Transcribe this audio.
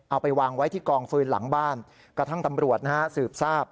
เอาไปวางไว้ที่กองฟืนหลังบ้านกระทั่งตำรวจนะฮะสืบทราบ